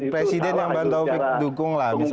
presiden yang bang taufik dukung lah